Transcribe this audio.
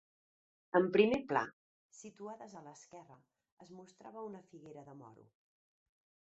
En primer pla, situades a l'esquerra, es mostrava una figuera de moro.